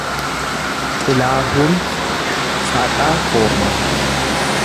Xilaahuun Saaqaa Hoomaa